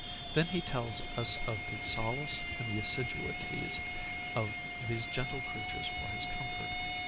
Then he tells us of the solace and the assiduities of these gentle creatures for his comfort.